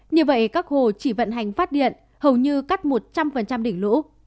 như vậy các hồ chỉ vận hành phát điện hầu như cắt một trăm linh đỉnh lũ